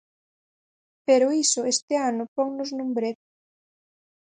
Pero iso este ano ponnos nun brete...